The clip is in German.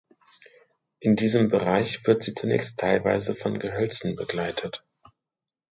In diesem Bereich wird sie zunächst teilweise von Gehölzen begleitet.